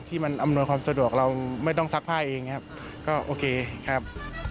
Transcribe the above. ที่มันอำนวยความสะดวกเราไม่ต้องซักผ้าเองครับก็โอเคครับ